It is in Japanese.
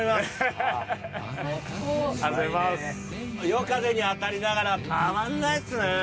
夜風に当たりながらたまんないっすね。